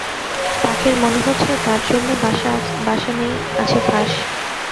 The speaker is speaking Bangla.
পাখির মনে হচ্ছে তার জন্যে বাসা নেই আছে ফাঁস।